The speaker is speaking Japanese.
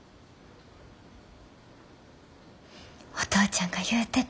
お父ちゃんが言うてた。